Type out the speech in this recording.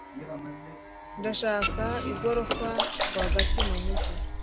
Ndashaka igorofa rwagati mu mujyi.